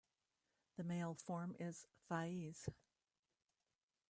The male form is Faiz.